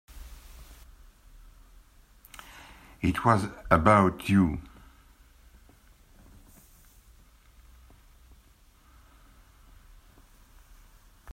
It was about you.